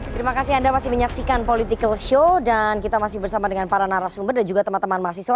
terima kasih anda masih menyaksikan political show dan kita masih bersama dengan para narasumber dan juga teman teman mahasiswa